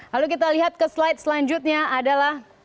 lalu kita lihat ke slide selanjutnya adalah